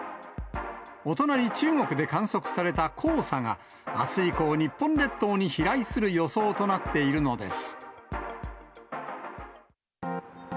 お隣、中国で観測された黄砂が、あす以降、日本列島に飛来する予想となっているのです。